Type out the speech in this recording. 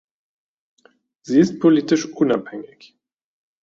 Sie ist politisch unabhängig.